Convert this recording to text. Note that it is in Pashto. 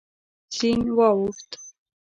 سیند واوښت.